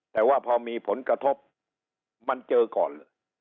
แต่ว่าพอมีผลกระทบมันเจอก่อน